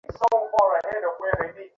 আমার জ্যাকেট পরেছিস?